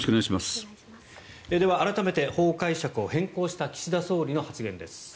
では改めて法解釈を変更した岸田総理の発言です。